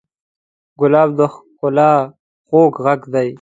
ګلاب د ښکلا خوږ غږ دی.